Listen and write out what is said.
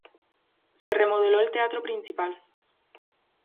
Se remodeló el Teatro Principal.